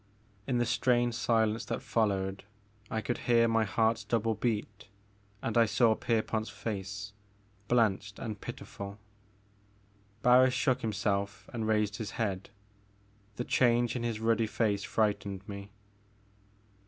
In the strained silence that followed I could hear my heart's double beat and I saw Pierpont's face, blanched and pitiful. Barris shook himself and raised his head. The change in his ruddy face frightened me.